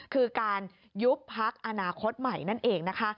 คือการยุบพักอนาคตใหม่นั่นเองนะคะ